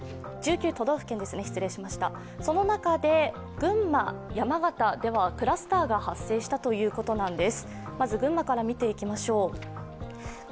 群馬、山形ではクラスターが発生したということなんです。